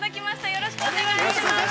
よろしくお願いします。